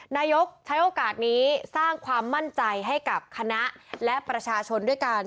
นายกใช้โอกาสนี้สร้างความมั่นใจให้กับคณะและประชาชนด้วยกัน